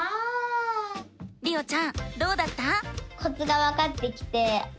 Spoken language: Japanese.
りおちゃんどうだった？